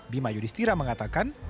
bima yudhistira mengatakan